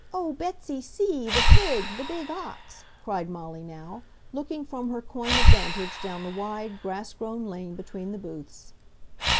"Oh, Betsy, see! The pig! The big ox!" cried Molly now, looking from her coign of vantage down the wide, grass grown lane between the booths.